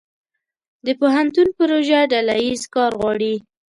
د پوهنتون پروژه ډله ییز کار غواړي.